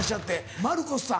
マルコスさん。